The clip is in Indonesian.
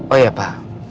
oh ya pak